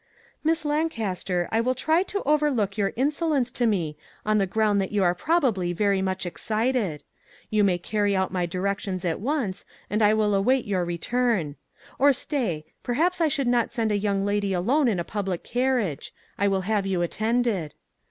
" Miss Lancaster, I will try to overlook your insolence to me, on the ground that you are probably very much excited. You may carry out my directions at once, and I will await your 385 MAG AND MARGARET return. Or stay; perhaps I should not send a young lady alone in a public carriage. I will have you attended."